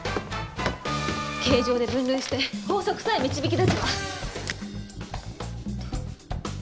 形状で分類して法則さえ導き出せば。